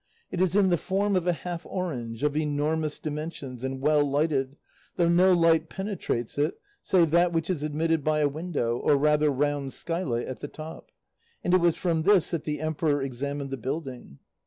It is in the form of a half orange, of enormous dimensions, and well lighted, though no light penetrates it save that which is admitted by a window, or rather round skylight, at the top; and it was from this that the emperor examined the building.